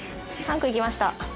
タンク行きました。